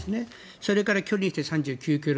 それから、距離にして３９ｋｍ。